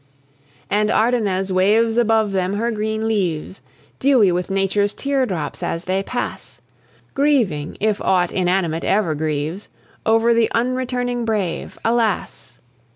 And Ardennes waves above them her green leaves, Dewy with Nature's tear drops, as they pass, Grieving, if aught inanimate e'er grieves, Over the unreturning brave alas!